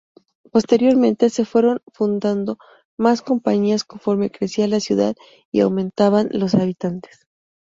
Posteriormente se fueron fundando más compañías, conforme crecía la ciudad y aumentaban los habitantes.